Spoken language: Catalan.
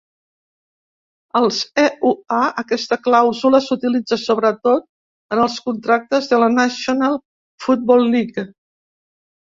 Als EUA, aquesta clàusula s'utilitza sobretot en els contractes de la National Football League.